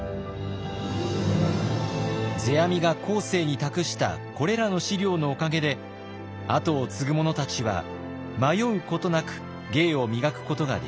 世阿弥が後世に託したこれらの資料のおかげで後を継ぐ者たちは迷うことなく芸を磨くことができました。